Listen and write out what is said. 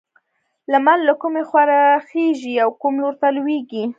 لمر له کومې خوا راخيژي او کوم لور ته لوېږي؟